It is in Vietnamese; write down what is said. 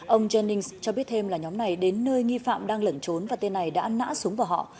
ông jennings cho biết thêm là nhóm này đến nơi nghi phạm đang lẩn trốn và tên này đã nã súng vào họ